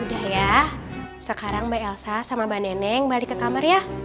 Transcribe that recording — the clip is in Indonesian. udah ya sekarang mbak elsa sama mbak neneng balik ke kamar ya